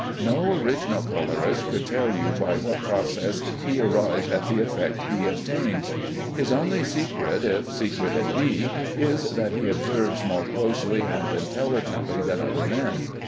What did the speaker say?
No original colorist could tell you by what process he arrives at the effects he obtains. His only secret (if secret it be) is that he observes more closely and intelligently than other men.